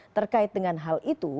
terkait dengan hal itu